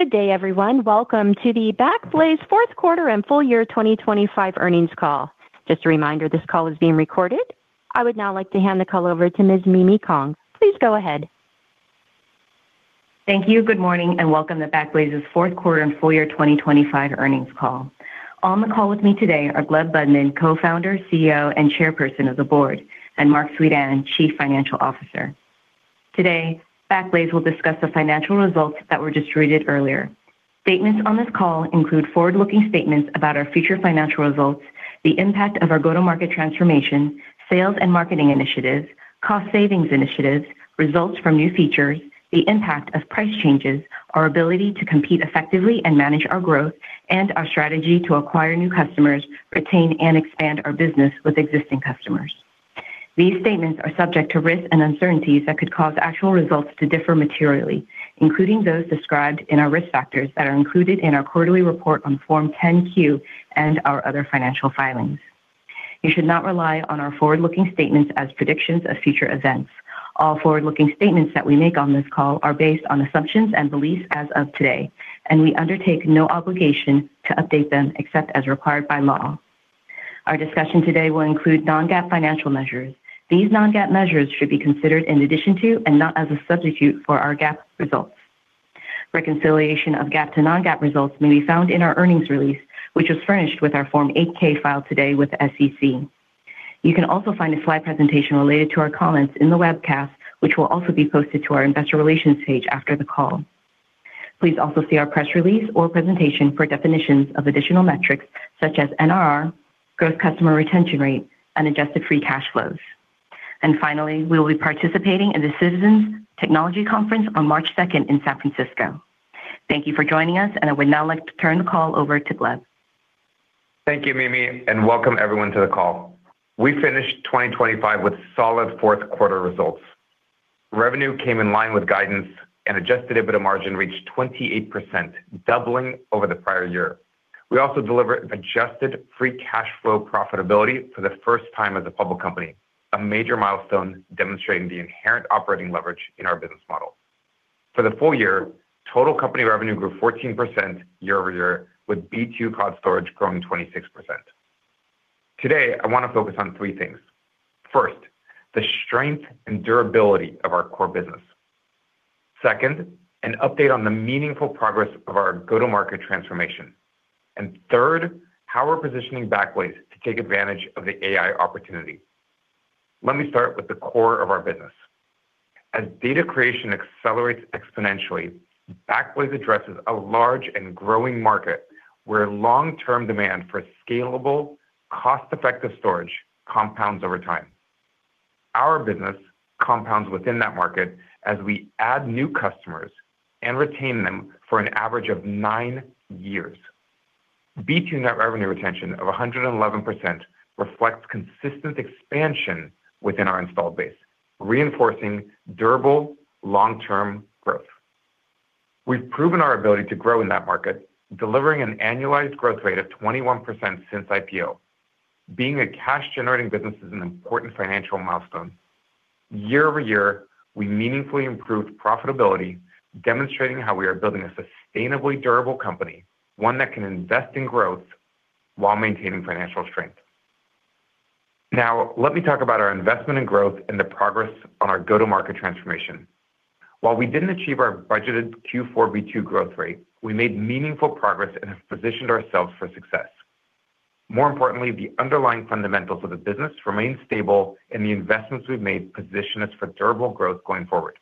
Good day, everyone. Welcome to the Backblaze Fourth Quarter and Full Year 2025 Earnings Call. Just a reminder, this call is being recorded. I would now like to hand the call over to Ms. Mimi Kong. Please go ahead. Thank you. Good morning, and welcome to Backblaze's Fourth Quarter and Full Year 2025 Earnings Call. On the call with me today are Gleb Budman, Co-founder, CEO, and Chairperson of the Board, and Marc Suidan, Chief Financial Officer. Today, Backblaze will discuss the financial results that were just read earlier. Statements on this call include forward-looking statements about our future financial results, the impact of our go-to-market transformation, sales and marketing initiatives, cost savings initiatives, results from new features, the impact of price changes, our ability to compete effectively and manage our growth, and our strategy to acquire new customers, retain and expand our business with existing customers. These statements are subject to risks and uncertainties that could cause actual results to differ materially, including those described in our risk factors that are included in our quarterly report on Form 10-Q and our other financial filings. You should not rely on our forward-looking statements as predictions of future events. All forward-looking statements that we make on this call are based on assumptions and beliefs as of today, and we undertake no obligation to update them except as required by law. Our discussion today will include non-GAAP financial measures. These non-GAAP measures should be considered in addition to and not as a substitute for our GAAP results. Reconciliation of GAAP to non-GAAP results may be found in our earnings release, which was furnished with our Form 8-K filed today with the SEC. You can also find a slide presentation related to our comments in the webcast, which will also be posted to our investor relations page after the call. Please also see our press release or presentation for definitions of additional metrics such as NRR, gross customer retention rate, and adjusted free cash flow. Finally, we will be participating in the Citizens Technology Conference on March second in San Francisco. Thank you for joining us, and I would now like to turn the call over to Gleb. Thank you, Mimi. Welcome everyone to the call. We finished 2025 with solid fourth quarter results. Revenue came in line with guidance and adjusted EBITDA margin reached 28%, doubling over the prior year. We also delivered adjusted free cash flow profitability for the first time as a public company, a major milestone demonstrating the inherent operating leverage in our business model. For the full year, total company revenue grew 14% year-over-year, with B2 Cloud Storage growing 26%. Today, I want to focus on three things. First, the strength and durability of our core business. Second, an update on the meaningful progress of our go-to-market transformation. Third, how we're positioning Backblaze to take advantage of the AI opportunity. Let me start with the core of our business. As data creation accelerates exponentially, Backblaze addresses a large and growing market where long-term demand for scalable, cost-effective storage compounds over time. Our business compounds within that market as we add new customers and retain them for an average of nine years. B2 net revenue retention of 111% reflects consistent expansion within our installed base, reinforcing durable long-term growth. We've proven our ability to grow in that market, delivering an annualized growth rate of 21% since IPO. Being a cash-generating business is an important financial milestone. Year-over-year, we meaningfully improved profitability, demonstrating how we are building a sustainably durable company, one that can invest in growth while maintaining financial strength. Let me talk about our investment in growth and the progress on our go-to-market transformation. While we didn't achieve our budgeted Q4 B2 growth rate, we made meaningful progress and have positioned ourselves for success. More importantly, the underlying fundamentals of the business remain stable, and the investments we've made position us for durable growth going forward.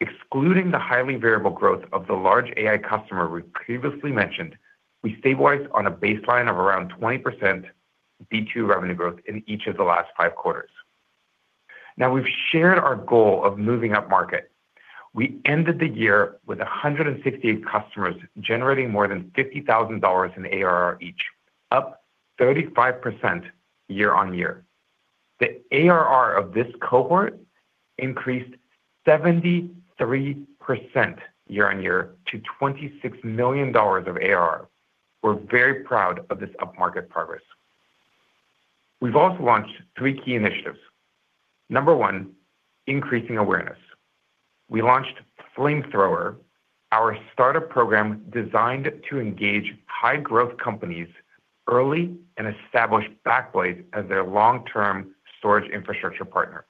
Excluding the highly variable growth of the large AI customer we previously mentioned, we stabilized on a baseline of around 20% B2 revenue growth in each of the last five quarters. We've shared our goal of moving upmarket. We ended the year with 168 customers, generating more than $50,000 in ARR each, up 35% year-on-year. The ARR of this cohort increased 73% year-on-year to $26 million of ARR. We're very proud of this upmarket progress. We've also launched three key initiatives. Number one, increasing awareness. We launched Flamethrower, our startup program designed to engage high-growth companies early and establish Backblaze as their long-term storage infrastructure partner.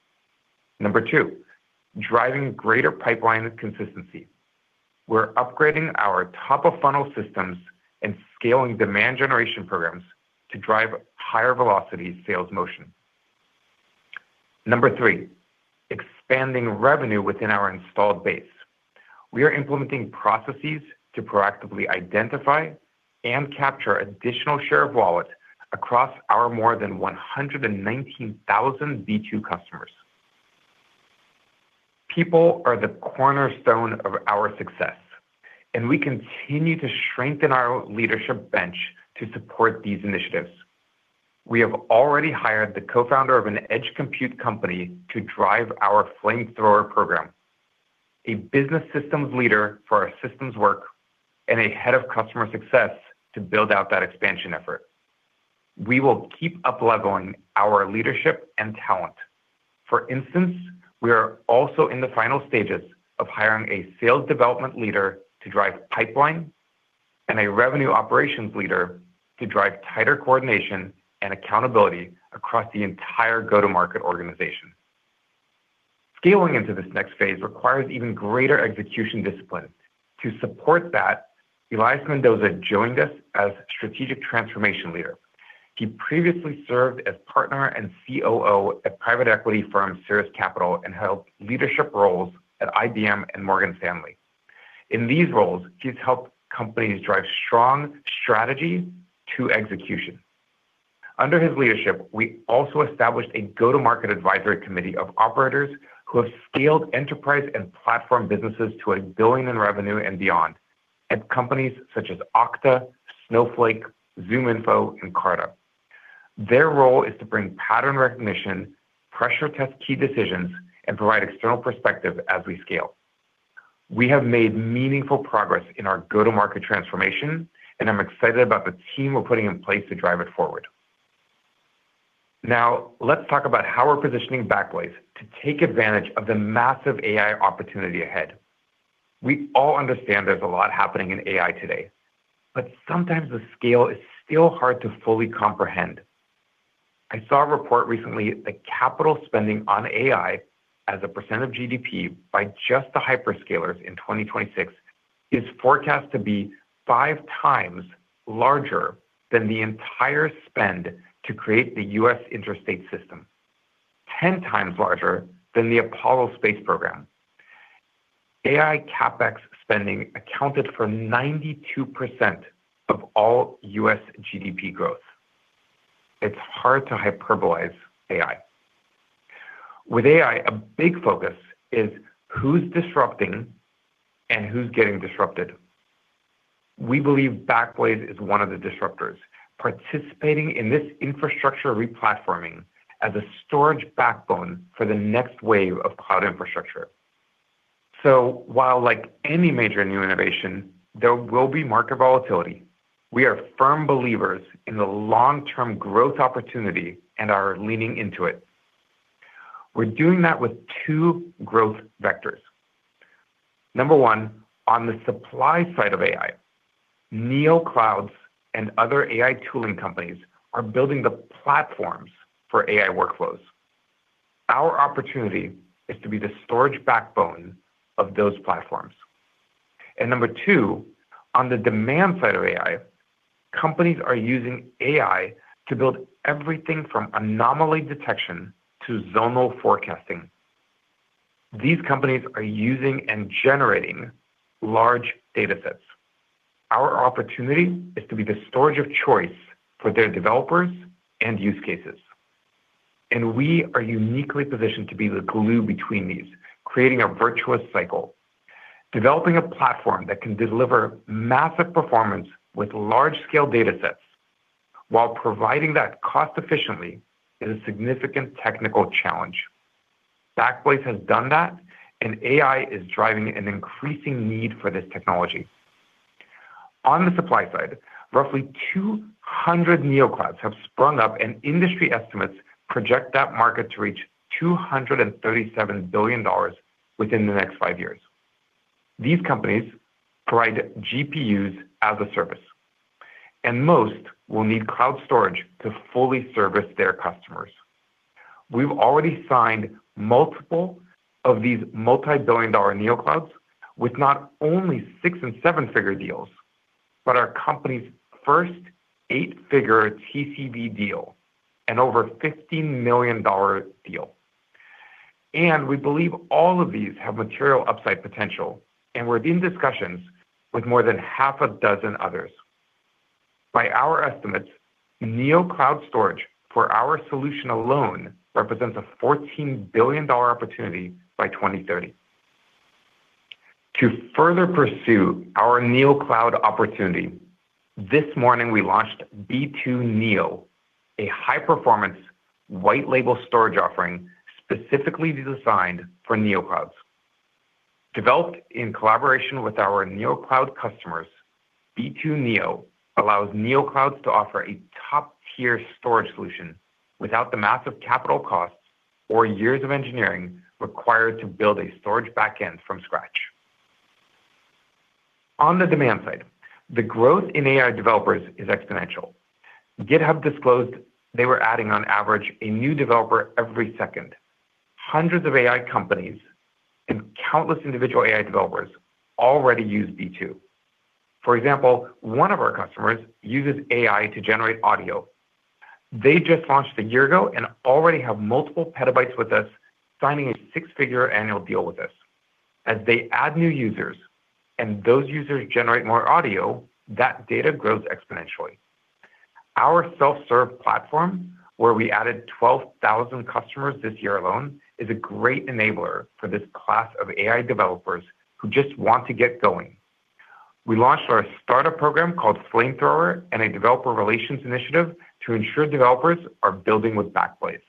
Number two, driving greater pipeline consistency. We're upgrading our top-of-funnel systems and scaling demand generation programs to drive higher velocity sales motion. Number three, expanding revenue within our installed base. We are implementing processes to proactively identify and capture additional share of wallet across our more than 119,000 B2 customers. People are the cornerstone of our success, and we continue to strengthen our leadership bench to support these initiatives. We have already hired the co-founder of an edge compute company to drive our Flamethrower program, a business systems leader for our systems work, and a head of customer success to build out that expansion effort. We will keep up-leveling our leadership and talent. For instance, we are also in the final stages of hiring a sales development leader to drive pipeline and a revenue operations leader to drive tighter coordination and accountability across the entire go-to-market organization. Scaling into this next phase requires even greater execution discipline. To support that, Elias Mendoza joined us as Strategic Transformation Leader. He previously served as partner and COO at private equity firm, Siris Capital, and held leadership roles at IBM and Morgan Stanley. In these roles, he's helped companies drive strong strategy to execution. Under his leadership, we also established a go-to-market advisory committee of operators who have scaled enterprise and platform businesses to $1 billion in revenue and beyond, at companies such as Okta, Snowflake, ZoomInfo, and Carta. Their role is to bring pattern recognition, pressure test key decisions, and provide external perspective as we scale. We have made meaningful progress in our go-to-market transformation, I'm excited about the team we're putting in place to drive it forward. Now, let's talk about how we're positioning Backblaze to take advantage of the massive AI opportunity ahead. We all understand there's a lot happening in AI today, sometimes the scale is still hard to fully comprehend. I saw a report recently that capital spending on AI as a percent of GDP by just the hyperscalers in 2026 is forecast to be 5x larger than the entire spend to create the U.S. Interstate System, 10x larger than the Apollo space program. AI CapEx spending accounted for 92% of all U.S. GDP growth. It's hard to hyperbolize AI. With AI, a big focus is who's disrupting and who's getting disrupted? We believe Backblaze is one of the disruptors, participating in this infrastructure replatforming as a storage backbone for the next wave of cloud infrastructure. While like any major new innovation, there will be market volatility, we are firm believers in the long-term growth opportunity and are leaning into it. We're doing that with two growth vectors. Number one, on the supply side of AI, neocloud and other AI tooling companies are building the platforms for AI workflows. Our opportunity is to be the storage backbone of those platforms. Number two, on the demand side of AI, companies are using AI to build everything from anomaly detection to zonal forecasting. These companies are using and generating large datasets. Our opportunity is to be the storage of choice for their developers and use cases. We are uniquely positioned to be the glue between these, creating a virtuous cycle. Developing a platform that can deliver massive performance with large-scale datasets while providing that cost-efficiently is a significant technical challenge. Backblaze has done that, and AI is driving an increasing need for this technology. On the supply side, roughly 200 neoclouds have sprung up, and industry estimates project that market to reach $237 billion within the next five years. These companies provide GPUs-as-a-service, and most will need cloud storage to fully service their customers. We've already signed multiple of these multi-billion-dollar neoclouds with not only six and seven-figure deals, but our company's first eight-figure TCV deal and over $15 million deal. We believe all of these have material upside potential, and we're in discussions with more than half a dozen others. By our estimates, neocloud storage for our solution alone represents a $14 billion opportunity by 2030. To further pursue our neocloud opportunity, this morning we launched B2 Neo, a high-performance white label storage offering specifically designed for neoclouds. Developed in collaboration with our neocloud customers, B2 Neo allows neoclouds to offer a top-tier storage solution without the massive capital costs or years of engineering required to build a storage back end from scratch. On the demand side, the growth in AI developers is exponential. GitHub disclosed they were adding, on average, a new developer every second. Hundreds of AI companies and countless individual AI developers already use B2. For example, one of our customers uses AI to generate audio. They just launched a year ago and already have multiple petabytes with us, signing a six-figure annual deal with us. As they add new users, and those users generate more audio, that data grows exponentially. Our self-serve platform, where we added 12,000 customers this year alone, is a great enabler for this class of AI developers who just want to get going. We launched our startup program called Flamethrower and a developer relations initiative to ensure developers are building with Backblaze.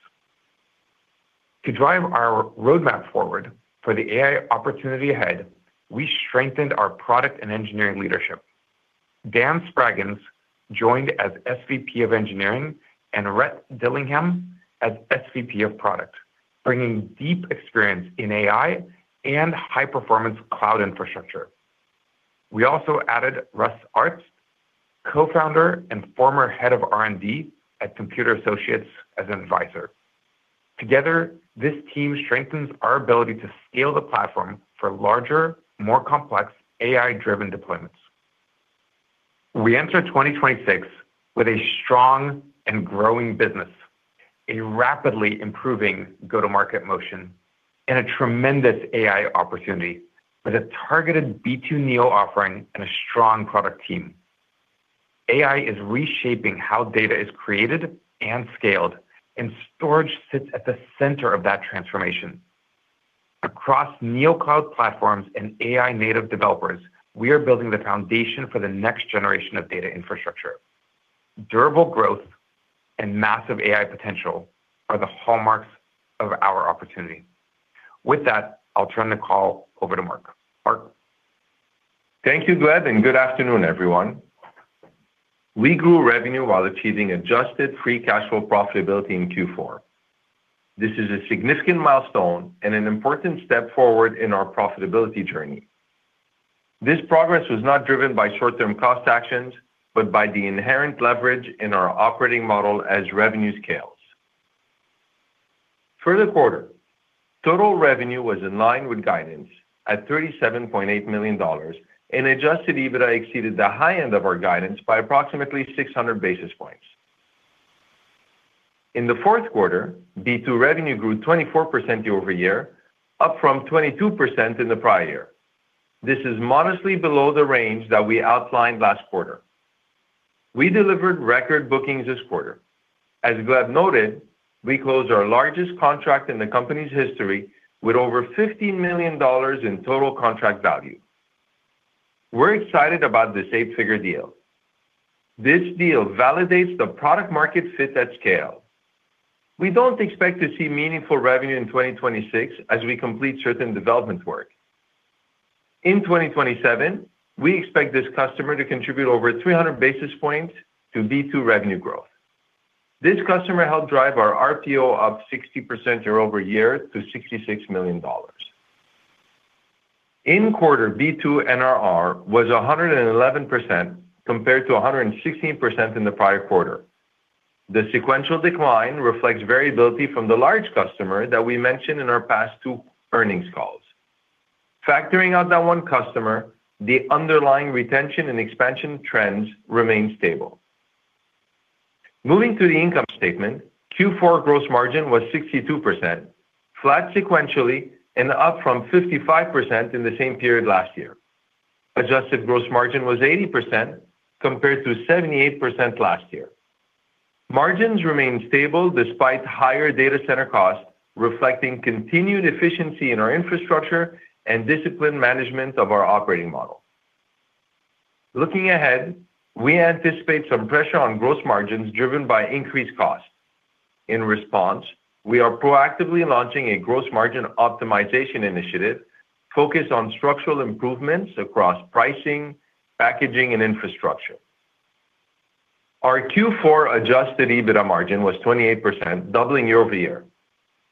To drive our roadmap forward for the AI opportunity ahead, we strengthened our product and engineering leadership. Dan Spraggins joined as SVP of Engineering and Rhett Dillingham as SVP of Product, bringing deep experience in AI and high-performance cloud infrastructure. We also added Russ Artzt, co-founder and former head of R&D at CA Technologies, as an advisor. Together, this team strengthens our ability to scale the platform for larger, more complex AI-driven deployments. We enter 2026 with a strong and growing business, a rapidly improving go-to-market motion, and a tremendous AI opportunity with a targeted B2 Neo offering and a strong product team. AI is reshaping how data is created and scaled, and storage sits at the center of that transformation. Across neocloud platforms and AI native developers, we are building the foundation for the next generation of data infrastructure. Durable growth and massive AI potential are the hallmarks of our opportunity. With that, I'll turn the call over to Marc. Marc? Thank you, Gleb, and good afternoon, everyone. We grew revenue while achieving adjusted free cash flow profitability in Q4. This is a significant milestone and an important step forward in our profitability journey. This progress was not driven by short-term cost actions, but by the inherent leverage in our operating model as revenue scales. For the quarter, total revenue was in line with guidance at $37.8 million, and adjusted EBITDA exceeded the high end of our guidance by approximately 600 basis points. In the fourth quarter, B2 revenue grew 24% year-over-year, up from 22% in the prior year. This is modestly below the range that we outlined last quarter. We delivered record bookings this quarter. As Gleb noted, we closed our largest contract in the company's history with over $50 million in total contract value. We're excited about this eight-figure deal. This deal validates the product market fit at scale. We don't expect to see meaningful revenue in 2026 as we complete certain development work. In 2027, we expect this customer to contribute over 300 basis points to B2 revenue growth. This customer helped drive our RPO up 60% year-over-year to $66 million. In quarter, B2 NRR was 111%, compared to 116% in the prior quarter. The sequential decline reflects variability from the large customer that we mentioned in our past two earnings calls. Factoring out that one customer, the underlying retention and expansion trends remain stable. Moving to the income statement, Q4 gross margin was 62%, flat sequentially and up from 55% in the same period last year. Adjusted gross margin was 80%, compared to 78% last year. Margins remained stable despite higher data center costs, reflecting continued efficiency in our infrastructure and disciplined management of our operating model. Looking ahead, we anticipate some pressure on gross margins driven by increased costs. In response, we are proactively launching a gross margin optimization initiative focused on structural improvements across pricing, packaging, and infrastructure. Our Q4 adjusted EBITDA margin was 28%, doubling year-over-year.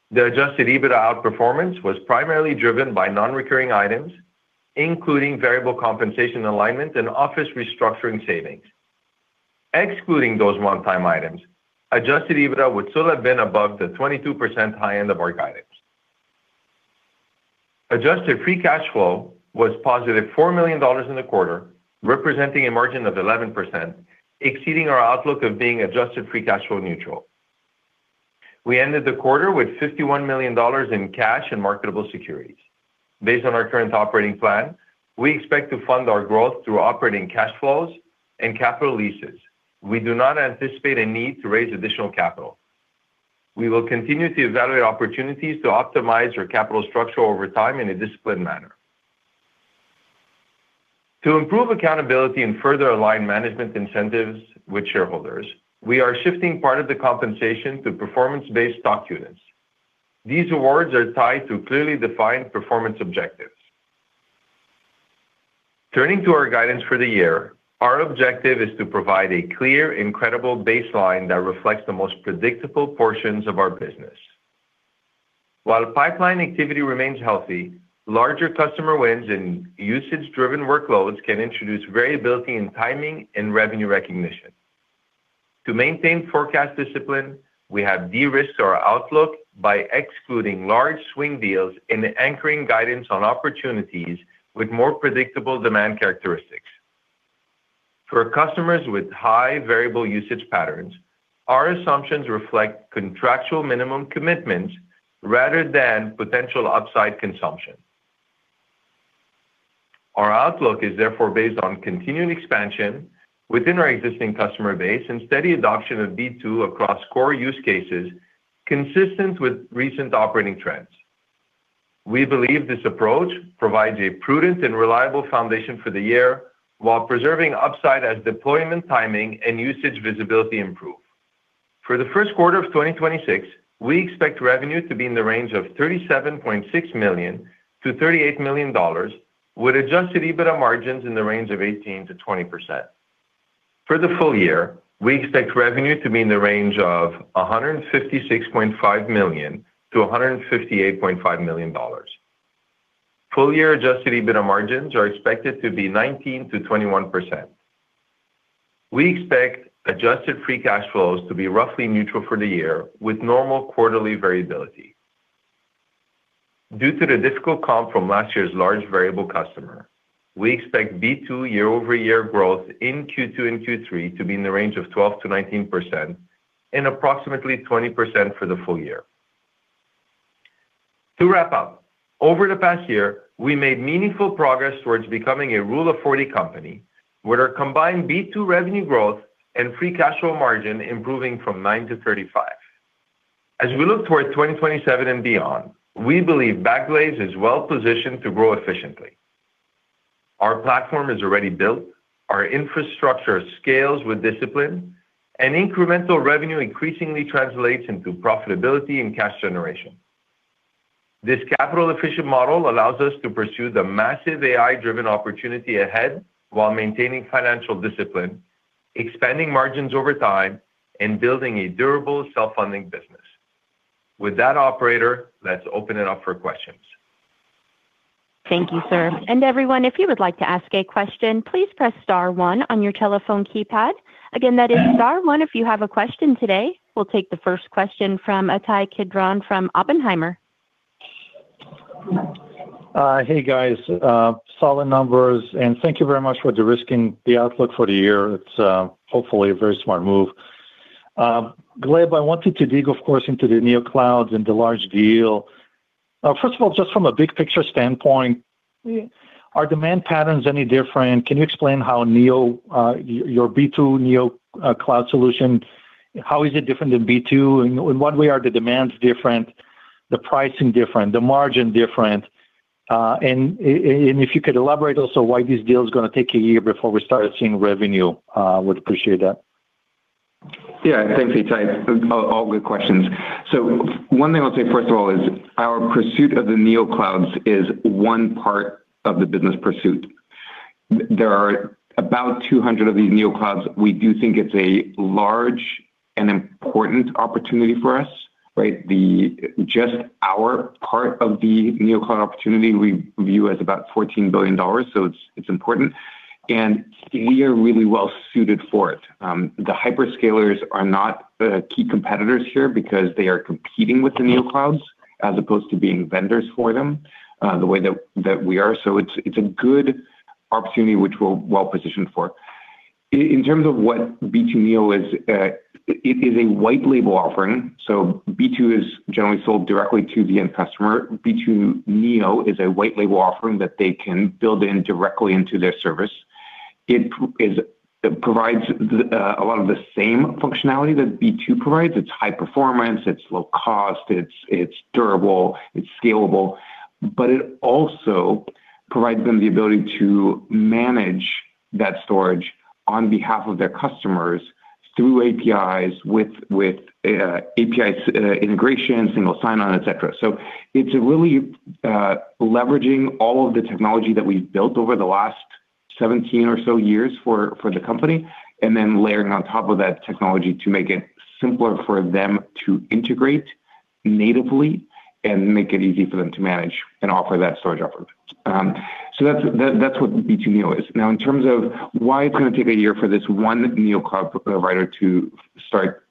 The adjusted EBITDA outperformance was primarily driven by non-recurring items, including variable compensation alignment and office restructuring savings. Excluding those one-time items, adjusted EBITDA would still have been above the 22% high end of our guidance. Adjusted free cash flow was +$4 million in the quarter, representing a margin of 11%, exceeding our outlook of being adjusted free cash flow neutral. We ended the quarter with $51 million in cash and marketable securities. Based on our current operating plan, we expect to fund our growth through operating cash flows and capital leases. We do not anticipate a need to raise additional capital. We will continue to evaluate opportunities to optimize our capital structure over time in a disciplined manner. To improve accountability and further align management incentives with shareholders, we are shifting part of the compensation to performance-based stock units. These awards are tied to clearly defined performance objectives. Turning to our guidance for the year, our objective is to provide a clear and credible baseline that reflects the most predictable portions of our business. While pipeline activity remains healthy, larger customer wins and usage-driven workloads can introduce variability in timing and revenue recognition. To maintain forecast discipline, we have de-risked our outlook by excluding large swing deals and anchoring guidance on opportunities with more predictable demand characteristics. For customers with high variable usage patterns, our assumptions reflect contractual minimum commitments rather than potential upside consumption. Our outlook is therefore based on continuing expansion within our existing customer base and steady adoption of B2 across core use cases, consistent with recent operating trends. We believe this approach provides a prudent and reliable foundation for the year while preserving upside as deployment, timing, and usage visibility improve. For the first quarter of 2026, we expect revenue to be in the range of $37.6 million-$38 million, with adjusted EBITDA margins in the range of 18%-20%. For the full year, we expect revenue to be in the range of $156.5 million-$158.5 million. Full year adjusted EBITDA margins are expected to be 19%-21%. We expect adjusted free cash flows to be roughly neutral for the year, with normal quarterly variability. Due to the difficult comp from last year's large variable customer, we expect B2 year-over-year growth in Q2 and Q3 to be in the range of 12%-19% and approximately 20% for the full year. To wrap up, over the past year, we made meaningful progress towards becoming a Rule of 40 company, with our combined B2 revenue growth and free cash flow margin improving from 9% to 35%. As we look towards 2027 and beyond, we believe Backblaze is well-positioned to grow efficiently. Our platform is already built, our infrastructure scales with discipline, and incremental revenue increasingly translates into profitability and cash generation. This capital-efficient model allows us to pursue the massive AI-driven opportunity ahead while maintaining financial discipline, expanding margins over time, and building a durable self-funding business. With that, operator, let's open it up for questions. Thank you, sir. Everyone, if you would like to ask a question, please press star one on your telephone keypad. Again, that is star one if you have a question today. We'll take the first question from Ittai Kidron from Oppenheimer. Hey, guys, solid numbers. Thank you very much for de-risking the outlook for the year. It's hopefully a very smart move. Gleb, I wanted to dig, of course, into the neoclouds and the large deal. First of all, just from a big picture standpoint, are demand patterns any different? Can you explain how Neo, your B2 Neo cloud solution, how is it different than B2? In what way are the demands different, the pricing different, the margin different? If you could elaborate also why this deal is gonna take a year before we start seeing revenue, would appreciate that. Yeah, thanks, Ittai. All good questions. One thing I'll say, first of all, is our pursuit of the neoclouds is one part of the business pursuit. There are about 200 of these neoclouds. We do think it's a large and important opportunity for us, right? Just our part of the neocloud opportunity we view as about $14 billion, so it's, it's important, and we are really well suited for it. The hyperscalers are not key competitors here because they are competing with the neoclouds as opposed to being vendors for them, the way that we are. It's, it's a good opportunity which we're well positioned for. In terms of what B2 Neo is, it is a white label offering, so B2 is generally sold directly to the end customer. B2 Neo is a white label offering that they can build in directly into their service. It provides a lot of the same functionality that B2 provides. It's high performance, it's low cost, it's durable, it's scalable, but it also provides them the ability to manage that storage on behalf of their customers through APIs, with API integration, single sign-on, et cetera. It's really leveraging all of the technology that we've built over the last 17 or so years for the company, and then layering on top of that technology to make it simpler for them to integrate natively and make it easy for them to manage and offer that storage offering. That's what B2 Neo is. Now, in terms of why it's going to take a year for this one neocloud provider to start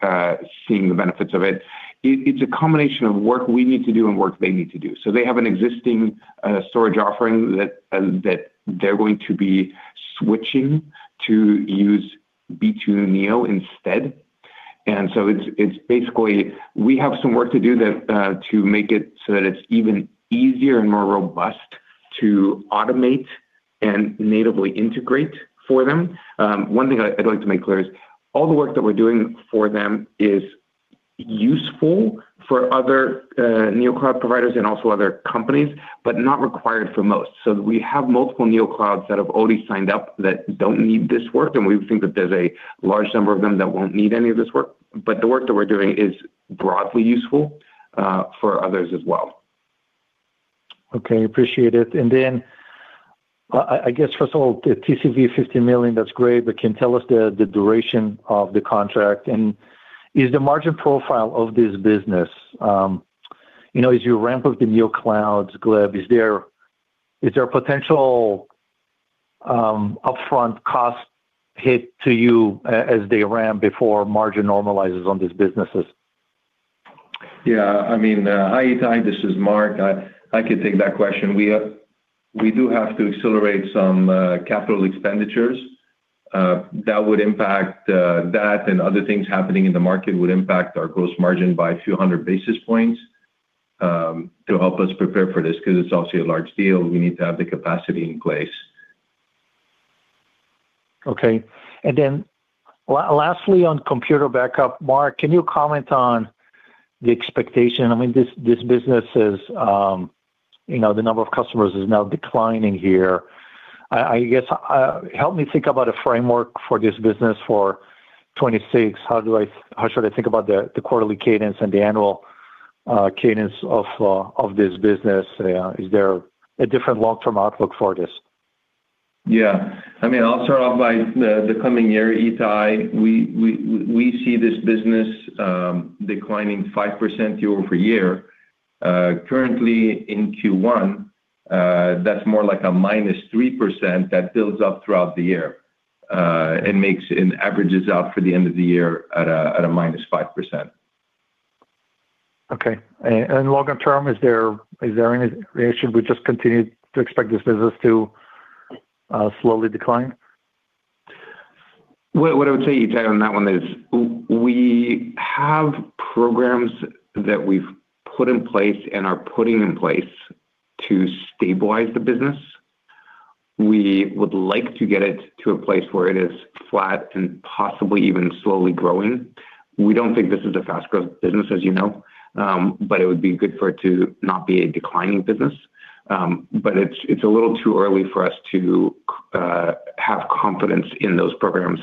seeing the benefits of, it's a combination of work we need to do and work they need to do. They have an existing storage offering that they're going to be switching to use B2 Neo instead. It's basically we have some work to do that to make it so that it's even easier and more robust to automate and natively integrate for them. One thing I, I'd like to make clear is all the work that we're doing for them is useful for other NeoCloud providers and also other companies, but not required for most. We have multiple neoclouds that have already signed up that don't need this work, and we think that there's a large number of them that won't need any of this work, but the work that we're doing is broadly useful for others as well. Okay, appreciate it. I guess, first of all, the TCV $50 million, that's great, but can you tell us the duration of the contract? Is the margin profile of this business, you know, as you ramp up the neoclouds, Gleb, is there a potential upfront cost hit to you as they ramp before margin normalizes on these businesses? Yeah, I mean, hi, Ittai, this is Marc. I can take that question. We do have to accelerate some capital expenditures, that would impact that and other things happening in the market would impact our gross margin by a few hundred basis points to help us prepare for this. Because it's obviously a large deal, we need to have the capacity in place. Okay, then lastly, on computer backup, Marc, can you comment on the expectation? I mean, this business is, you know, the number of customers is now declining here. I guess, help me think about a framework for this business for 2026. How should I think about the quarterly cadence and the annual cadence of this business? Is there a different long-term outlook for this? Yeah. I mean, I'll start off by the coming year, Ittai. We see this business, declining 5% year-over-year. Currently, in Q1, that's more like a -3% that builds up throughout the year, and makes and averages out for the end of the year at a -5%. Okay. And longer term, is there any—should we just continue to expect this business to slowly decline? Well, what I would say, Ittai on that one is, we have programs that we've put in place and are putting in place to stabilize the business. We would like to get it to a place where it is flat and possibly even slowly growing. We don't think this is a fast-growth business, as you know, but it would be good for it to not be a declining business. It's a little too early for us to have confidence in those programs,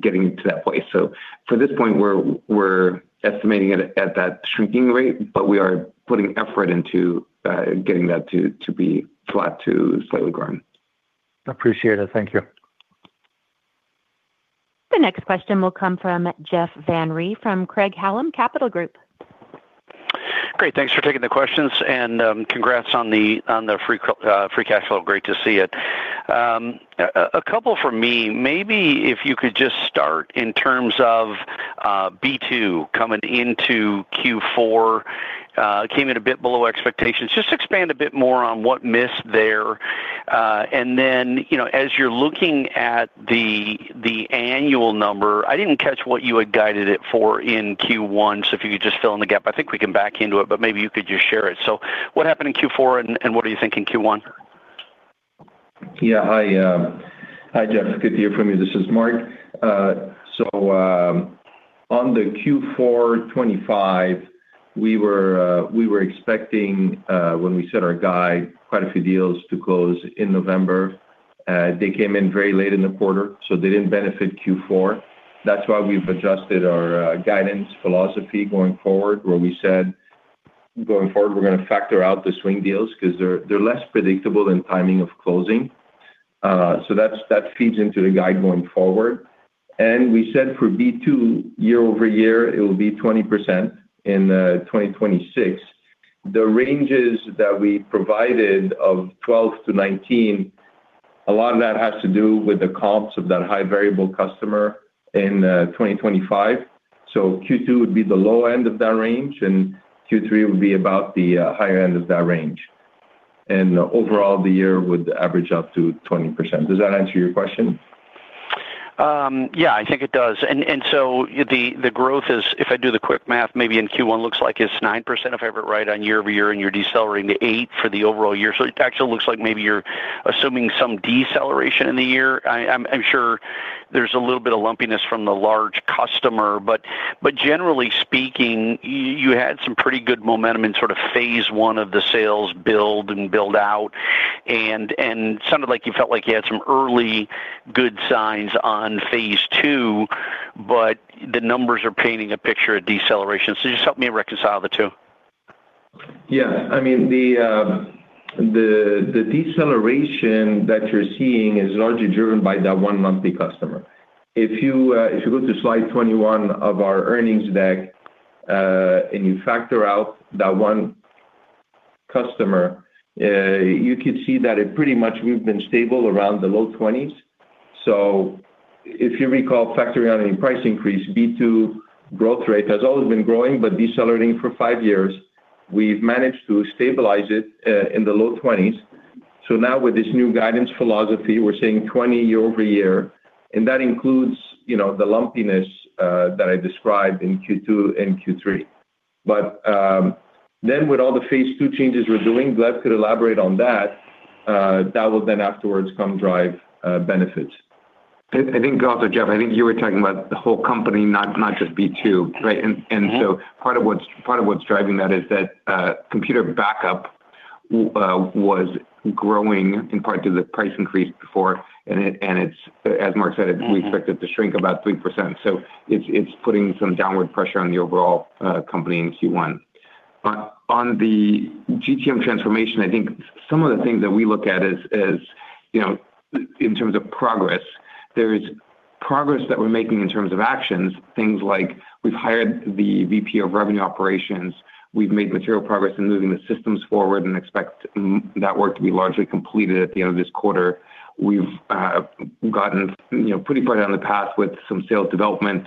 getting to that place. For this point, we're estimating it at that shrinking rate, but we are putting effort into—getting that to be flat to slightly growing. Appreciate it. Thank you. The next question will come from Jeff Van Rhee from Craig-Hallum Capital Group. Great. Thanks for taking the questions, and congrats on the free cash flow. Great to see it. A couple from me. Maybe if you could just start in terms of B2 coming into Q4, came in a bit below expectations. Just expand a bit more on what missed there. Then, you know, as you're looking at the annual number, I didn't catch what you had guided it for in Q1, so if you could just fill in the gap. I think we can back into it, but maybe you could just share it. What happened in Q4, and what are you thinking Q1? Yeah. Hi, hi, Jeff. Good to hear from you. This is Marc. On the Q4 2025, we were expecting when we set our guide, quite a few deals to close in November. They came in very late in the quarter, so they didn't benefit Q4. That's why we've adjusted our guidance philosophy going forward, where we said, "Going forward, we're gonna factor out the swing deals 'cause they're, they're less predictable in timing of closing." That's feeds into the guide going forward. We said for B2, year-over-year, it will be 20% in 2026. The ranges that we provided of 12%-19%, a lot of that has to do with the comps of that high variable customer in 2025. Q2 would be the low end of that range, and Q3 would be about the higher end of that range. Overall, the year would average up to 20%. Does that answer your question? Yeah, I think it does. The growth is, if I do the quick math, maybe in Q1, looks like it's 9%, if I have it right, on year-over-year, and you're decelerating to 8% for the overall year. It actually looks like maybe you're assuming some deceleration in the year. I'm sure there's a little bit of lumpiness from the large customer, but generally speaking, you had some pretty good momentum in sort of Phase 1 of the sales build and build out. Sounded like you felt like you had some early good signs on Phase 2, but the numbers are painting a picture of deceleration. Just help me reconcile the two. Yeah. I mean, the deceleration that you're seeing is largely driven by that one monthly customer. If you go to slide 21 of our earnings deck, and you factor out that one customer, you could see that it pretty much we've been stable around the low 20s. If you recall, factory on a price increase, B2 growth rate has always been growing but decelerating for five years. We've managed to stabilize it in the low 20s. Now with this new guidance philosophy, we're seeing 20% year-over-year, and that includes, you know, the lumpiness that I described in Q2 and Q3. Then with all the Phase 2 changes we're doing, Gleb could elaborate on that, that will then afterwards come drive benefits. I think, also, Jeff, I think you were talking about the whole company, not just B2, right? Mm-hmm. Part of what's driving that is that, computer backup was growing in part due to the price increase before, and it's, as Marc said we expect it to shrink about 3%, so it's, it's putting some downward pressure on the overall company in Q1. On the GTM transformation, I think some of the things that we look at is, you know, in terms of progress, there is progress that we're making in terms of actions, things like we've hired the VP of Revenue Operations, we've made material progress in moving the systems forward and expect that work to be largely completed at the end of this quarter. We've gotten, you know, pretty far down the path with some sales development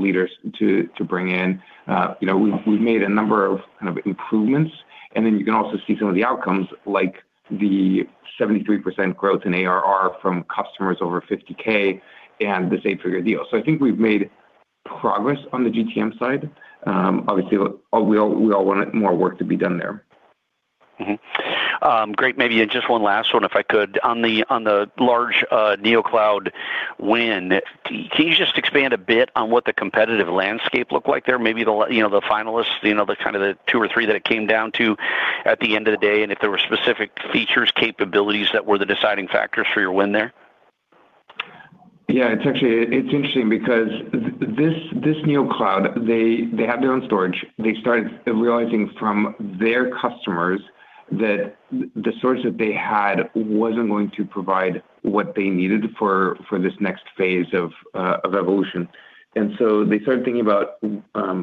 leaders to bring in. You know, we've made a number of kind of improvements, and then you can also see some of the outcomes, like the 73% growth in ARR from customers over $50,000 and this eight-figure deal. I think we've made progress on the GTM side. Obviously, we all, we all want more work to be done there. Great. Maybe just one last one, if I could. On the large neocloud win, can you just expand a bit on what the competitive landscape looked like there? Maybe you know, the finalists, you know, the kind of the two or three that it came down to at the end of the day, and if there were specific features, capabilities that were the deciding factors for your win there. Yeah, it's actually—it's interesting because this neocloud, they had their own storage. They started realizing from their customers that the storage that they had wasn't going to provide what they needed for this next phase of evolution. So they started thinking about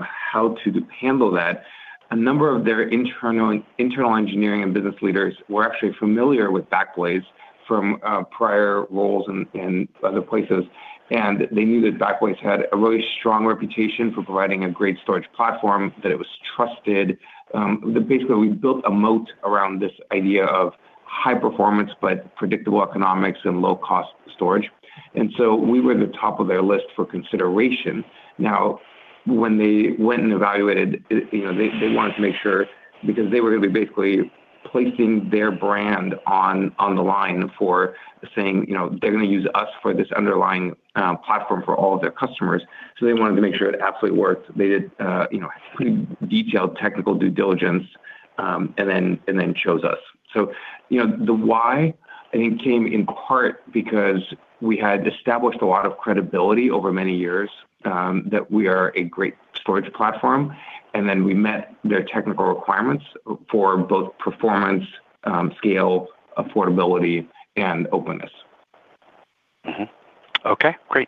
how to handle that. A number of their internal engineering and business leaders were actually familiar with Backblaze from prior roles in other places, and they knew that Backblaze had a really strong reputation for providing a great storage platform, that it was trusted. That basically, we built a moat around this idea of high performance, but predictable economics and low-cost storage. So we were the top of their list for consideration. When they went and evaluated, you know, they, they wanted to make sure, because they were going to be basically placing their brand on the line for saying, you know, they're going to use us for this underlying platform for all of their customers. They wanted to make sure it absolutely worked. They did, you know, pretty detailed technical due diligence, and then chose us. You know, the why, I think, came in part because we had established a lot of credibility over many years, that we are a great storage platform, and then we met their technical requirements for both performance, scale, affordability, and openness. Mm-hmm. Okay, great.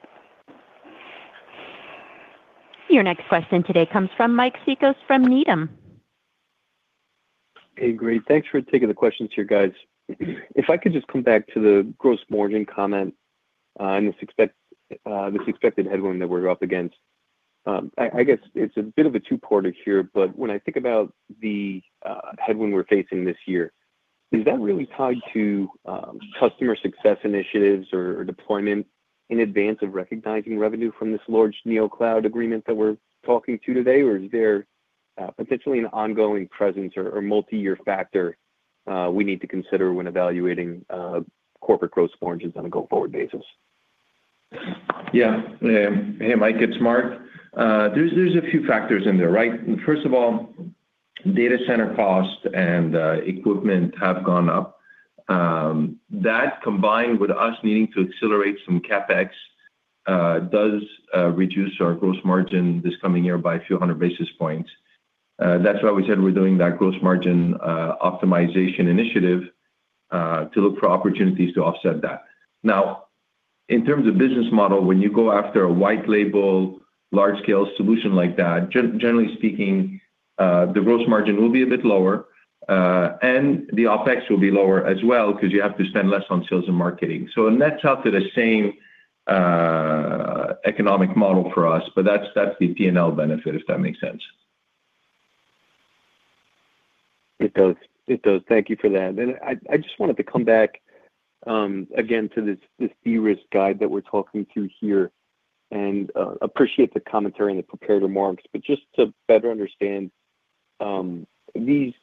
Your next question today comes from Mike Cikos from Needham. Hey, great. Thanks for taking the questions here, guys. If I could just come back to the gross margin comment on this expected headwind that we're up against. I guess it's a bit of a two-parter here, but when I think about the headwind we're facing this year, is that really tied to customer success initiatives or deployment in advance of recognizing revenue from this large neocloud agreement that we're talking to today, or is there potentially an ongoing presence or multi-year factor we need to consider when evaluating corporate gross margins on a go-forward basis? Yeah. Hey, Mike, it's Marc. There's, there's a few factors in there, right? First of all, data center cost and equipment have gone up. That, combined with us needing to accelerate some CapEx, does reduce our gross margin this coming year by a few hundred basis points. That's why we said we're doing that gross margin optimization initiative to look for opportunities to offset that. Now, in terms of business model, when you go after a white label, large-scale solution like that, generally speaking, the gross margin will be a bit lower, and the OpEx will be lower as well because you have to spend less on sales and marketing. So it nets out to the same economic model for us, but that's the P&L benefit, if that makes sense. It does. It does. Thank you for that. I just wanted to come back again, to this de-risk guide that we're talking through here, appreciate the commentary and the prepared remarks, but just to better understand these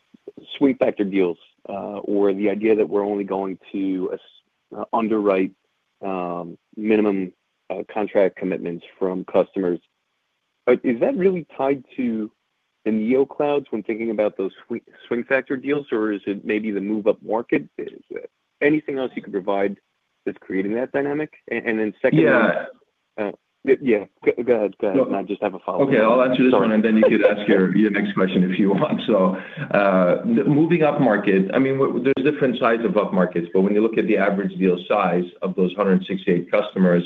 swing factor deals, or the idea that we're only going to underwrite minimum contract commitments from customers. Is that really tied to the neoclouds when thinking about those swing factor deals, or is it maybe the move-up market? Is anything else you could provide that's creating that dynamic? Then secondly. Yeah. Yeah, go, go ahead. Go ahead. I just have a follow-up. Okay, I'll answer this one, and then you could ask your next question if you want. Moving up market, I mean, there's different sides of up markets, but when you look at the average deal size of those 168 customers,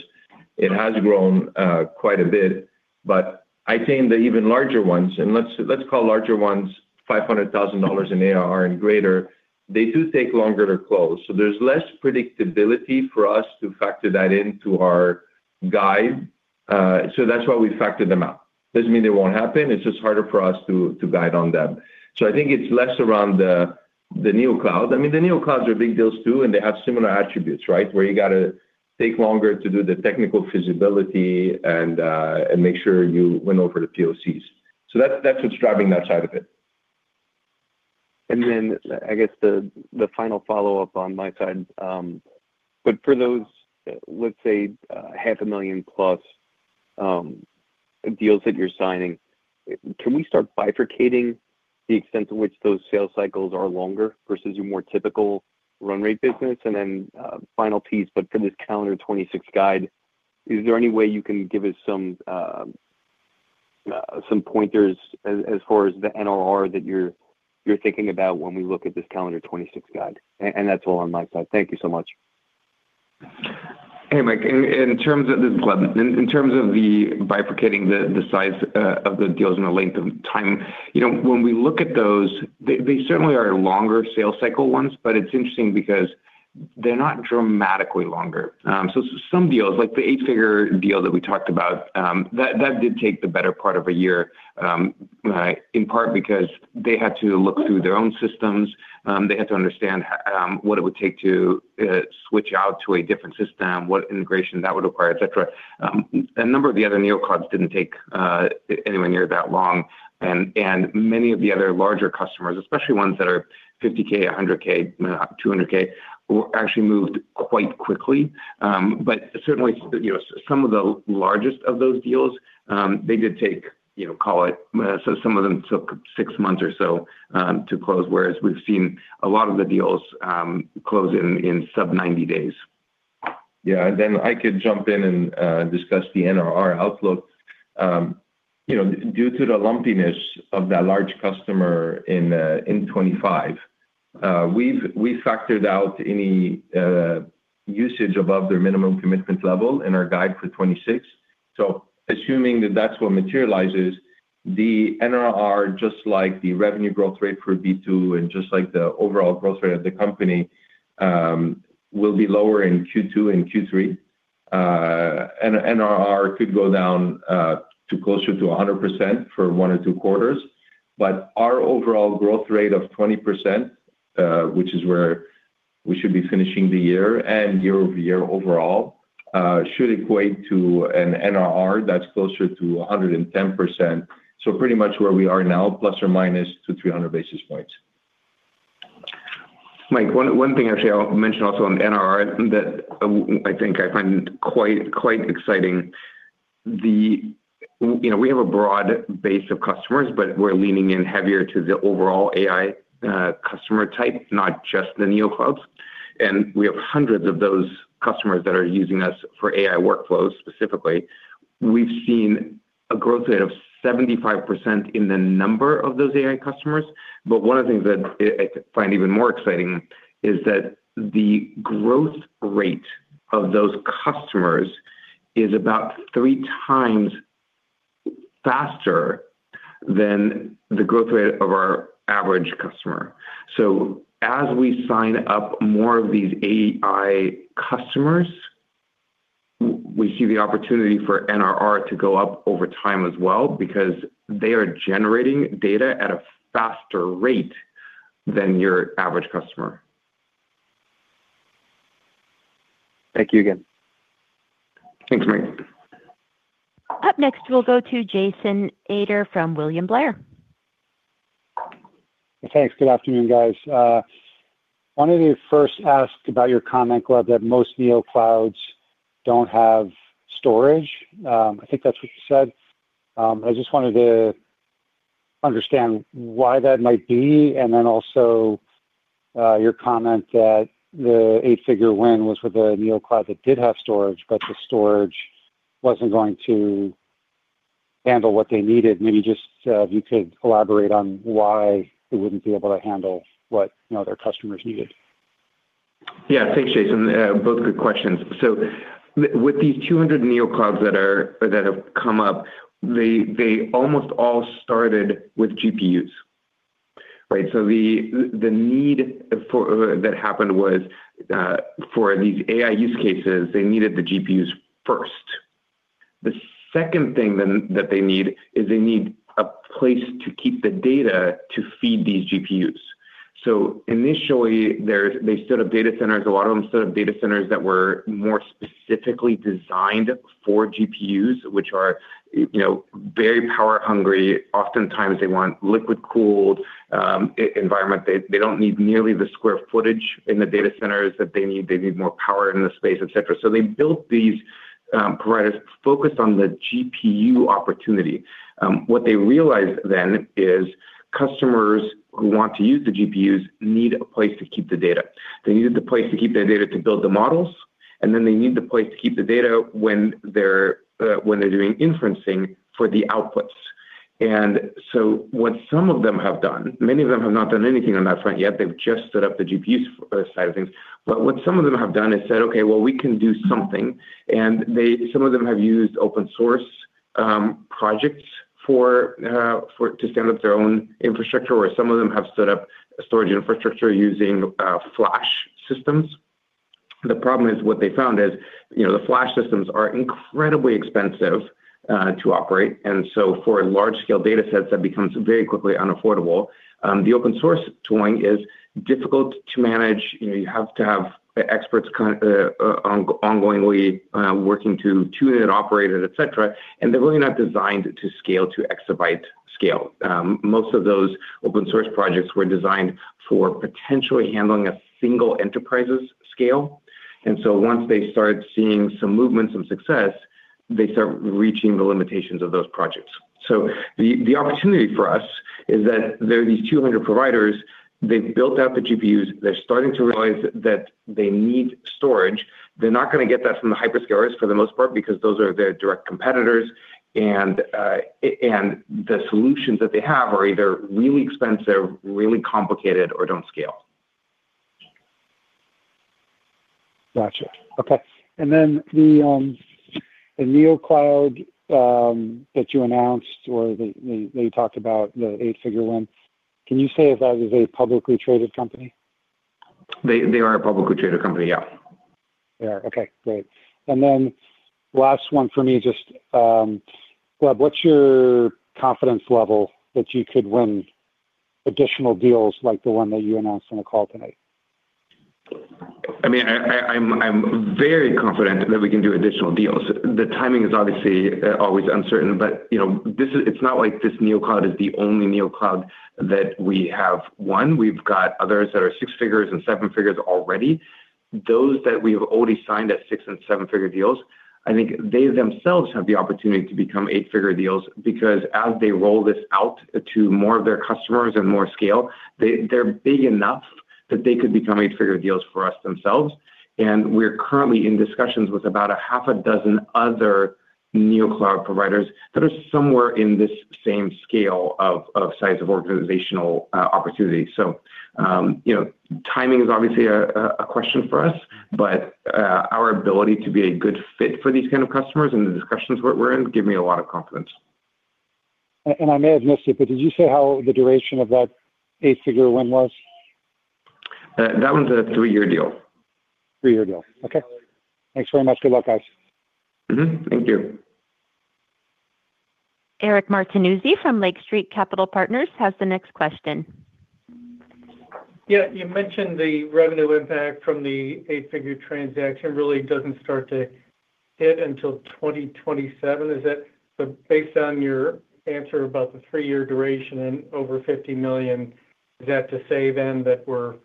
it has grown quite a bit. But I think the even larger ones, and let's, let's call larger ones $500,000 in ARR and greater, they do take longer to close. There's less predictability for us to factor that into our guide, so that's why we factored them out. Doesn't mean they won't happen, it's just harder for us to guide on them. I think it's less around the, the neoclouds. I mean, the neoclouds are big deals, too, and they have similar attributes, right? Where you got to take longer to do the technical feasibility and, and make sure you win over the POCs. That's what's driving that side of it. I guess the final follow-up on my side. For those, let's say, $500,000+ deals that you're signing, can we start bifurcating the extent to which those sales cycles are longer versus your more typical run rate business? Final piece, for this calendar 2026 guide, is there any way you can give ussome pointers as far as the NRR that you're thinking about when we look at this calendar 2026 guide? That's all on my side. Thank you so much. Hey, Mike. This is Gleb. In terms of bifurcating the size of the deals and the length of time, you know, when we look at those, they certainly are longer sales cycle ones, but it's interesting because they're not dramatically longer. Some deals, like the eight-figure deal that we talked about, that did take the better part of a year, in part because they had to look through their own systems, they had to understand what it would take to switch out to a different system, what integration that would require, et cetera. A number of the other neoclouds didn't take anywhere near that long, and many of the other larger customers, especially ones that are $50,000, $100,000, $200,000, were actually moved quite quickly. Certainly, you know, some of the largest of those deals, they did take, you know, call it—so some of them took six months or so to close, whereas we've seen a lot of the deals close in, in sub 90 days. Yeah, and then I could jump in and discuss the NRR outlook. You know, due to the lumpiness of that large customer in 2025, we factored out any usage above their minimum commitment level in our guide for 2026. Assuming that that's what materializes, the NRR, just like the revenue growth rate for B2 and just like the overall growth rate of the company, will be lower in Q2 and Q3. NRR could go down to closer to 100% for one or two quarters. Our overall growth rate of 20%, which is where we should be finishing the year, and year-over-year overall, should equate to an NRR that's closer to 110%. Pretty much where we are now, plus or minus to 300 basis points. Mike, one, one thing actually I'll mention also on NRR that, I think I find quite exciting, you know, we have a broad base of customers, but we're leaning in heavier to the overall AI customer type, not just the neoclouds. We have hundreds of those customers that are using us for AI workflows, specifically. We've seen a growth rate of 75% in the number of those AI customers, but one of the things that I find even more exciting is that the growth rate of those customers is about 3x faster than the growth rate of our average customer. As we sign up more of these AI customers, we see the opportunity for NRR to go up over time as well, because they are generating data at a faster rate than your average customer. Thank you again. Thanks, Mike. Up next, we'll go to Jason Ader from William Blair. Thanks. Good afternoon, guys. Wanted to first ask about your comment, Gleb, that most neoclouds don't have storage. I think that's what you said. I just wanted to understand why that might be, and then also, your comment that the eight-figure win was with a neocloud that did have storage, but the storage wasn't going to handle what they needed. Maybe just, if you could elaborate on why it wouldn't be able to handle what, you know, their customers needed? Yeah. Thanks, Jason. Both good questions. With these 200 neoclouds that have come up, they almost all started with GPUs. Right, the need for—that happened was, for these AI use cases, they needed the GPUs first. The second thing then that they need, is they need a place to keep the data to feed these GPUs. Initially, they set up data centers. A lot of them set up data centers that were more specifically designed for GPUs, which are, you know, very power-hungry. Oftentimes, they want liquid-cooled environment. They, they don't need nearly the square footage in the data centers that they need. They need more power in the space, et cetera. They built these providers focused on the GPU opportunity. What they realized then is customers who want to use the GPUs need a place to keep the data. They needed the place to keep their data to build the models, and then they need the place to keep the data when they're when they're doing inferencing for the outputs. What some of them have done, many of them have not done anything on that front yet, they've just set up the GPUs side of things. What some of them have done is said, "Okay, well, we can do something." Some of them have used open source projects for to stand up their own infrastructure, or some of them have set up a storage infrastructure using flash systems. The problem is, what they found is, you know, the flash systems are incredibly expensive to operate, and so for large-scale data sets, that becomes very quickly unaffordable. The open source tooling is difficult to manage. You know, you have to have experts ongoingly working to tune it, operate it, et cetera, and they're really not designed to scale to exabyte scale. Most of those open source projects were designed for potentially handling a single enterprise's scale, and so once they start seeing some movement, some success, they start reaching the limitations of those projects. The opportunity for us is that there are these 200 providers, they've built out the GPUs, they're starting to realize that they need storage. They're not gonna get that from the hyperscalers for the most part, because those are their direct competitors, and the solutions that they have are either really expensive, really complicated, or don't scale. Gotcha. Okay, and then the, the neoclouds that you announced or that you talked about, the eight-figure win, can you say if that is a publicly traded company? They are a publicly traded company, yeah. They are. Okay, great. Then last one for me, just, Gleb, what's your confidence level that you could win additional deals like the one that you announced on the call tonight? I mean, I'm, I'm very confident that we can do additional deals. The timing is obviously always uncertain, but, you know, this is it's not like this neocloud is the only neocloud that we have won. We've got others that are six figures and seven figures already. Those that we've already signed at six and seven-figure deals, I think they themselves have the opportunity to become eight-figure deals. As they roll this out to more of their customers and more scale, they're big enough that they could become eight-figure deals for us themselves. We're currently in discussions with about a half a dozen other neocloud providers that are somewhere in this same scale of size of organizational opportunity. You know, timing is obviously a question for us, but our ability to be a good fit for these kind of customers and the discussions we're in, give me a lot of confidence. I may have missed it, but did you say how the duration of that eight-figure win was? that one's a three-year deal. Three-year deal. Okay. Thanks very much. Good luck, guys. Mm-hmm. Thank you. Eric Martinuzzi from Lake Street Capital Markets has the next question. Yeah, you mentioned the revenue impact from the eight-figure transaction really doesn't start to hit until 2027. Based on your answer about the three-year duration and over $50 million, is that to say then that we're,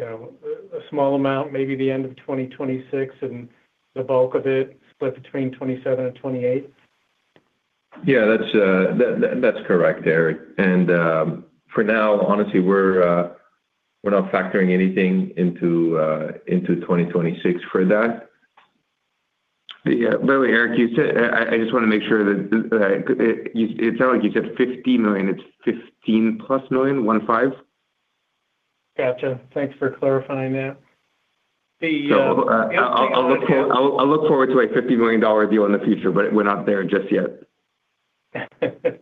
you know, a small amount, maybe the end of 2026, and the bulk of it split between 2027 and 2028? Yeah, that's correct, Eric. For now, honestly, we're not factoring anything into 2026 for that. Yeah, by the way, Eric, you said—I just wanna make sure that, it sound like you said $50 million. It's $15+ million, 1 5. Gotcha. Thanks for clarifying that. I'll look forward to a $50 million deal in the future, but we're not there just yet. The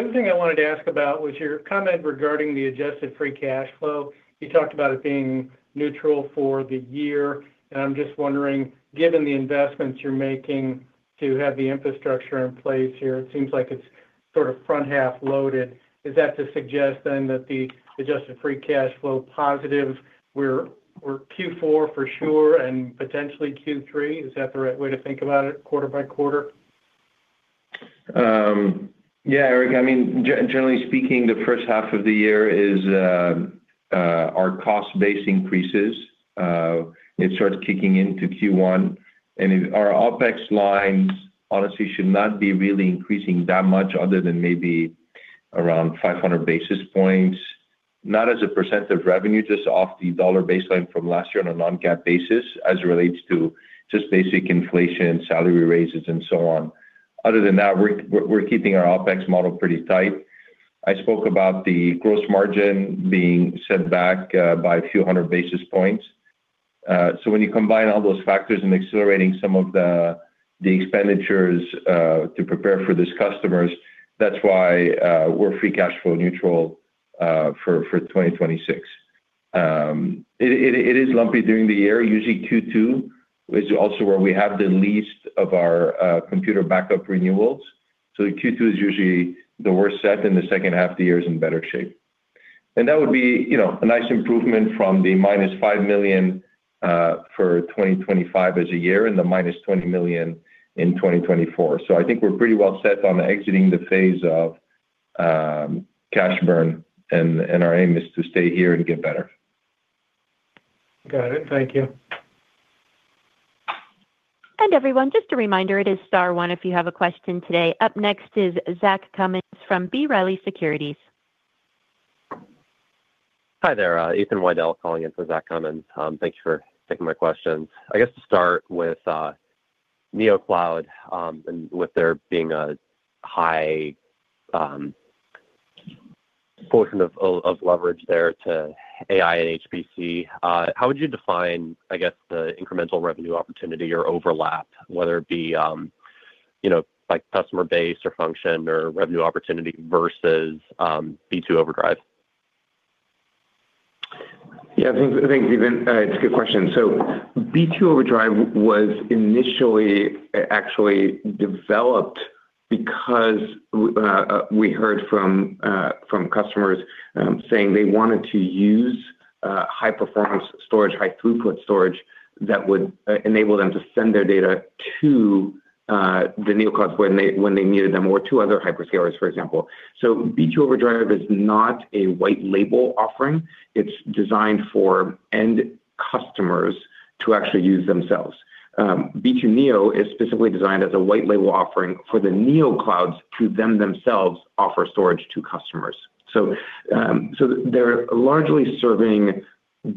other thing I wanted to ask about was your comment regarding the adjusted free cash flow. You talked about it being neutral for the year, and I'm just wondering, given the investments you're making to have the infrastructure in place here, it seems like it's sort of front half loaded. Is that to suggest then that the adjusted free cash foow positive, we're Q4 for sure, and potentially Q3? Is that the right way to think about it, quarter-by-quarter? Yeah, Eric, I mean, generally speaking, the first half of the year is our cost base increases. It starts kicking into Q1, and our OpEx lines, honestly, should not be really increasing that much other than maybe around 500 basis points. Not as a percent of revenue, just off the dollar baseline from last year on a non-GAAP basis, as it relates to just basic inflation, salary raises, and so on. Other than that, we're keeping our OpEx model pretty tight. I spoke about the gross margin being set back by a few 100 basis points. So when you combine all those factors and accelerating some of the expenditures to prepare for these customers, that's why we're free cash flow neutral for 2026. It is lumpy during the year. Usually Q2 is also where we have the least of our computer backup renewals, so Q2 is usually the worst set, and the second half of the year is in better shape. That would be, you know, a nice improvement from the -$5 million for 2025 as a year and the -$20 million in 2024. I think we're pretty well set on exiting the phase of cash burn, and our aim is to stay here and get better. Got it. Thank you. Everyone, just a reminder, it is star one if you have a question today. Up next is Zach Cummins from B. Riley Securities. Hi there, Ethan Widell calling in for Zach Cummins. Thank you for taking my questions. I guess to start with, neocloud, and with there being a high portion of leverage there to AI and HPC, how would you define, I guess, the incremental revenue opportunity or overlap, whether it be, you know, like customer base or function or revenue opportunity versus B2 Overdrive? Yeah, thanks, thanks, Ethan. It's a good question. B2 Overdrive was initially actually developed because we heard from customers saying they wanted to use high-performance storage, high-throughput storage that would enable them to send their data to the neoclouds when they needed them, or to other hyperscalers, for example. B2 Overdrive is not a white label offering, it's designed for end customers to actually use themselves. B2 Neo is specifically designed as a white label offering for the neoclouds to then themselves offer storage to customers. They're largely serving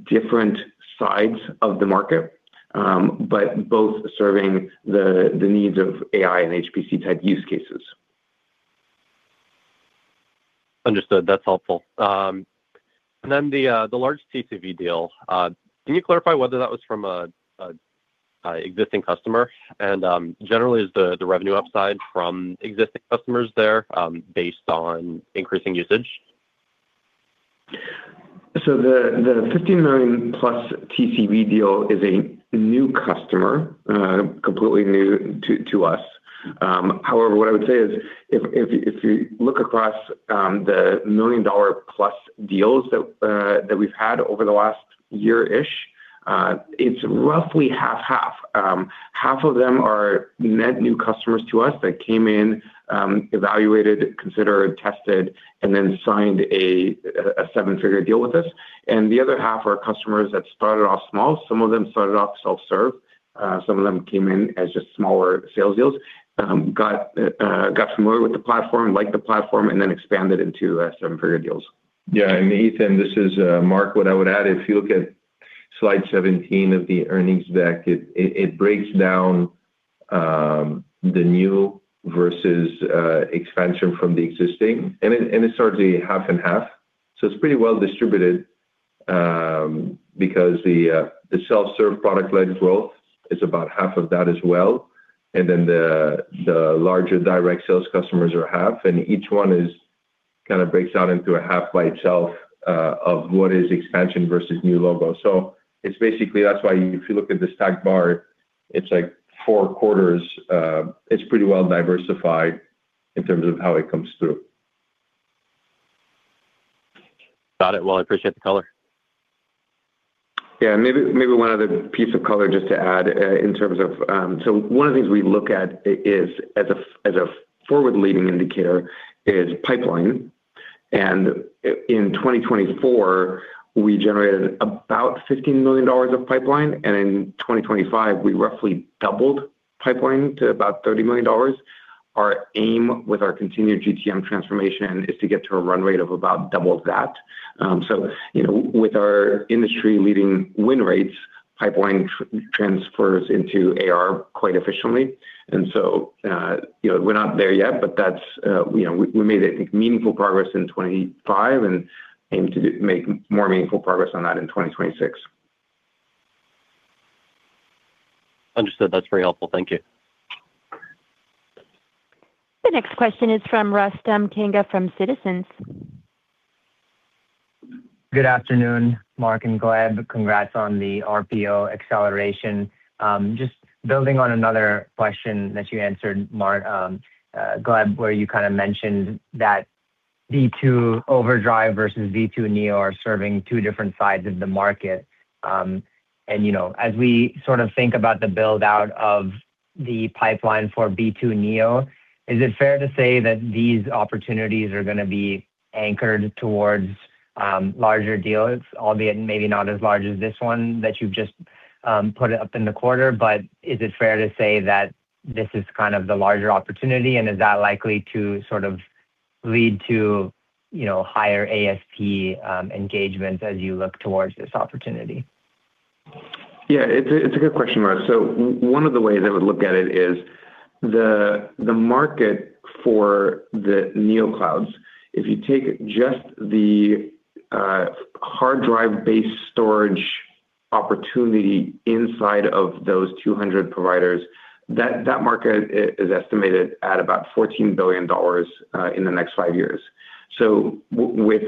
different sides of the market, but both serving the needs of AI and HPC-type use cases. Understood. That's helpful. then the large TCV deal, can you clarify whether that was from a existing customer? Generally, is the revenue upside from existing customers there, based on increasing usage? The $15 million+ TCV deal is a new customer, completely new to us. However, what I would say is if you look across the $1 million+ deals that we've had over the last year-ish, it's roughly 50/50. Half of them are net new customers to us that came in, evaluated, considered, tested, and then signed a seven-figure deal with us. The other half are customers that started off small. Some of them started off self-serve, some of them came in as just smaller sales deals, got familiar with the platform, liked the platform, and then expanded into seven-figure deals. Yeah, Ethan, this is Marc. What I would add, if you look at slide 17 of the earnings deck, it breaks down the new versus expansion from the existing, it's certainly 50/50. It's pretty well distributed because the self-serve product-led growth is about half of that as well, the larger direct sales customers are half, each one is kind of breaks out into a half by itself of what is expansion versus new logo. It's basically—that's why if you look at the stacked bar, it's like four quarters. It's pretty well diversified in terms of how it comes through. Got it. Well, I appreciate the color. Yeah, maybe one other piece of color just to add, in terms of—one of the things we look at is—as a forward-leading indicator is pipeline. In 2024, we generated about $15 million of pipeline, and in 2025, we roughly doubled pipeline to about $30 million. Our aim with our continued GTM transformation is to get to a run rate of about double that. You know, with our industry-leading win rates, pipeline transfers into AR quite efficiently. You know, we're not there yet, but that's, you know, we made meaningful progress in 2025 and aim to make more meaningful progress on that in 2026. Understood. That's very helpful. Thank you. The next question is from Rustam Kanga from Citizens. Good afternoon, Marc and Gleb. Congrats on the RPO acceleration. Just building on another question that you answered, Marc, Gleb, where you kind of mentioned that B2 Overdrive versus B2 Neo are serving two different sides of the market. You know, as we sort of think about the build-out of the pipeline for B2 Neo, is it fair to say that these opportunities are gonna be anchored towards larger deals, albeit maybe not as large as this one that you've just put it up in the quarter? Is it fair to say that this is kind of the larger opportunity, and is that likely to sort of lead to, you know, higher ASP engagements as you look towards this opportunity? Yeah, it's a good question, Rustam. One of the ways I would look at it is the market for the neoclouds, if you take just the hard drive-based storage opportunity inside of those 200 providers, that market is estimated at about $14 billion in the next five years. With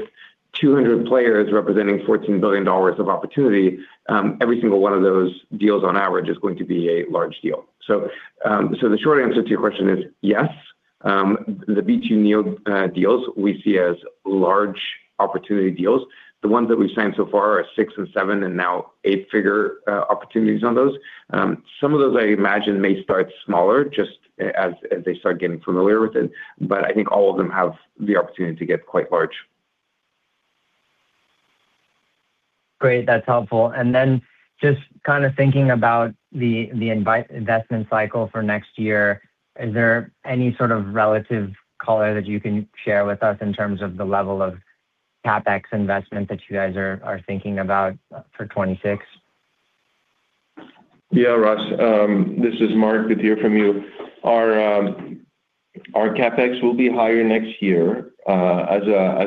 200 players representing $14 billion of opportunity, every single one of those deals on average is going to be a large deal. The short answer to your question is yes, the B2 Neo deals we see as large opportunity deals. The ones that we've signed so far are six and seven, and now eight-figure opportunities on those. Some of those I imagine may start smaller just as they start getting familiar with it, but I think all of them have the opportunity to get quite large. Great, that's helpful. Then just kind of thinking about the investment cycle for next year, is there any sort of relative color that you can share with us in terms of the level of CapEx investment that you guys are thinking about for 2026? Yeah, Rustam, this is Marc. Good to hear from you. Our CapEx will be higher next year. As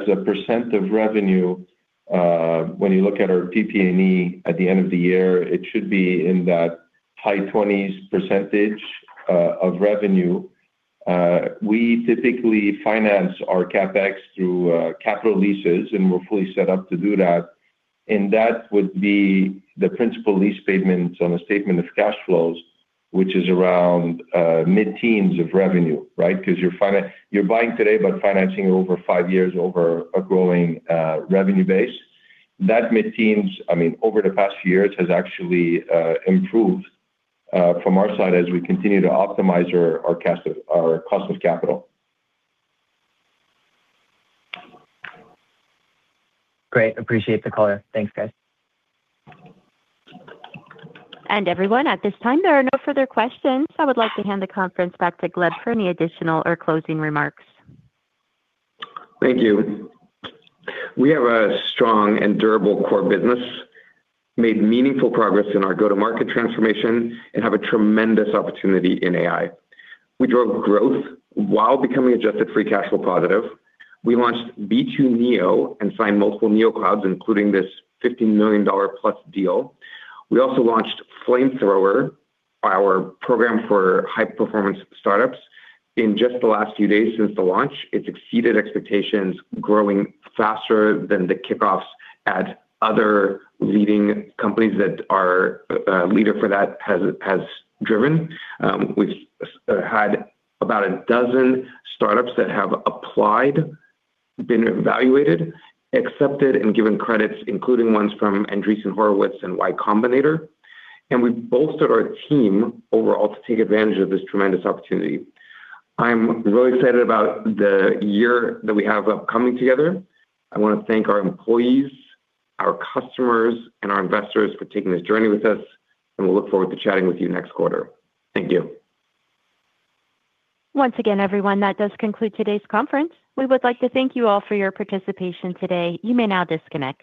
a percent of revenue, when you look at our PP&E at the end of the year, it should be in that high 20s percentage of revenue. We typically finance our CapEx through capital leases, and we're fully set up to do that, and that would be the principal lease payments on a statement of cash flows, which is around mid-teens of revenue, right? Because you're buying today, but financing over five years over a growing revenue base. That mid-teens, I mean, over the past few years, has actually improved from our side as we continue to optimize our cost of capital. Great. Appreciate the color. Thanks, guys. Everyone, at this time, there are no further questions. I would like to hand the conference back to Gleb for any additional or closing remarks. Thank you. We have a strong and durable core business, made meaningful progress in our go-to-market transformation, and have a tremendous opportunity in AI. We drove growth while becoming adjusted free cash flow positive. We launched B2 Neo and signed multiple neoclouds, including this $15 million+ deal. We also launched Flamethrower, our program for high-performance startups. In just the last few days since the launch, it's exceeded expectations, growing faster than the kickoffs at other leading companies that are leader for that has driven. We've had about dozen startups that have applied, been evaluated, accepted, and given credits, including ones from Andreessen Horowitz and Y Combinator, and we've bolstered our team overall to take advantage of this tremendous opportunity. I'm really excited about the year that we have upcoming together.I wanna thank our employees, our customers, and our investors for taking this journey with us, and we'll look forward to chatting with you next quarter. Thank you. Once again, everyone, that does conclude today's conference. We would like to thank you all for your participation today. You may now disconnect.